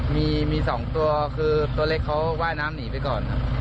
มี๒ตัวคือตัวเล็กเขาว่ายน้ำหนีไปก่อนครับ